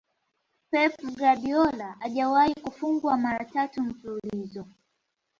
Pep guardiola hajawahi kufungwa mara tatu mfululizo